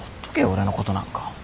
俺のことなんか。